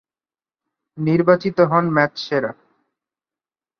নির্বাচিত হন ম্যাচ সেরা।